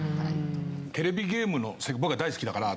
テレビゲームの僕は大好きだから。